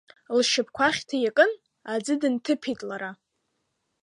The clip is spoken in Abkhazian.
Лшьапқәа ахьҭа иакын, аӡы дынҭыԥеит лара.